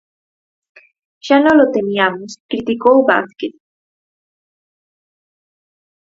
Xa nolo temiamos, criticou Vázquez.